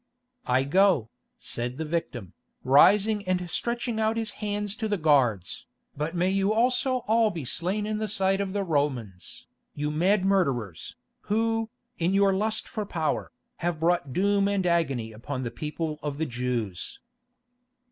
"I go," said the victim, rising and stretching out his hands to the guards, "but may you also all be slain in the sight of the Romans, you mad murderers, who, in your lust for power, have brought doom and agony upon the people of the Jews."